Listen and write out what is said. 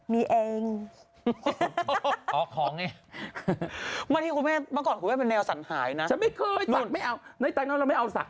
ไม่เชื่อคุณแม่ไม่เคยฉันไม่เคยศักดิ์